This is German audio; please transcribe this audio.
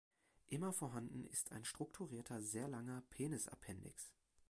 Immer vorhanden ist ein strukturierter, sehr langer Penisappendix.